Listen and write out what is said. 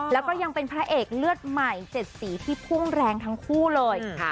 แล้วก็ยังเป็นพระเอกเลือดใหม่๗สีที่พุ่งแรงทั้งคู่เลย